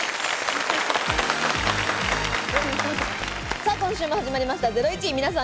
さぁ、今週も始まりました『ゼロイチ』、皆さん